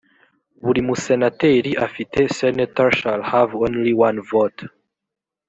buri musenateri afite senator shall have only one vote